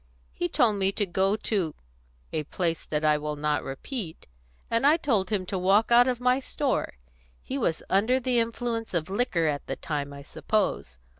He told me to go to a place that I will not repeat, and I told him to walk out of my store. He was under the influence of liquor at the time, I suppose.